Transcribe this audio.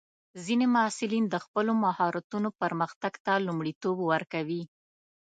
ځینې محصلین د خپلو مهارتونو پرمختګ ته لومړیتوب ورکوي.